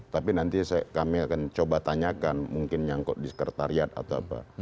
tapi nanti kami akan coba tanyakan mungkin nyangkut di sekretariat atau apa